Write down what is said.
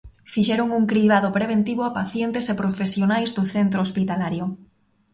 Fixeron un cribado preventivo a pacientes e profesionais do centro hospitalario.